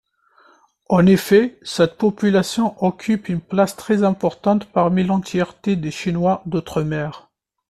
En effet, cette population occupe une place très importante parmi l'entièreté des chinois d'outre-mer.